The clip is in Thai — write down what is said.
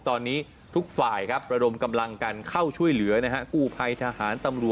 ตอนนี้ทุกฝ่ายครับระดมกำลังการเข้าช่วยเหลือนะฮะ